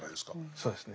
そうですね。